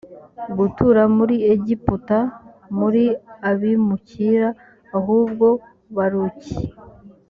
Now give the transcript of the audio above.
gutura muri egiputa muri abimukira ahubwo baruki